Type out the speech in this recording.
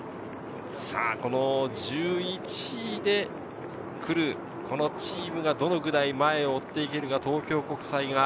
１１位で来るチームがどのくらい前を追っていけるか、東京国際大学。